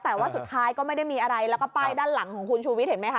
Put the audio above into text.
แต่ว่าสุดท้ายก็ไม่ได้มีอะไรแล้วก็ป้ายด้านหลังของคุณชูวิทย์เห็นไหมคะ